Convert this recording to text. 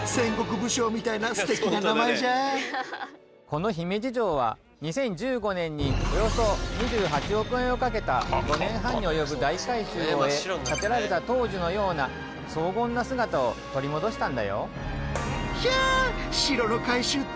この姫路城は２０１５年におよそ２８億円をかけた５年半に及ぶ大改修を終え建てられた当時のような荘厳な姿を取り戻したんだよ。